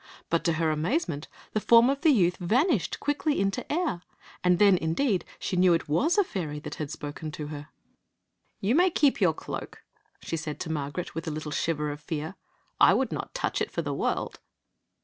But, to her amazement, the form of the youth van ished quickly into air, and then, indeed, she kttew it was a fairy that had spoken to her. ■^tii... , Queen Zixi of Ix; or, the " You may keep your cloak," she said to Margaret, with a little shiver of fear. "I would not touch it for the world!"